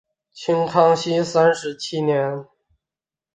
清康熙三十七年。